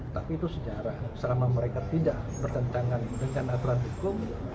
tapi itu sejarah selama mereka tidak bertentangan dengan aturan hukum